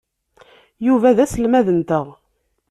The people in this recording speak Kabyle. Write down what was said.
Yuba d aselmad-nteɣ.